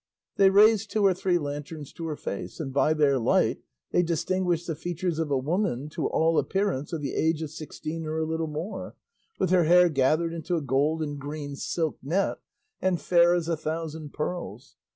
They raised two or three lanterns to her face, and by their light they distinguished the features of a woman to all appearance of the age of sixteen or a little more, with her hair gathered into a gold and green silk net, and fair as a thousand pearls.